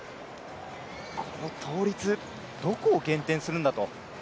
この倒立どこを減点するんだと。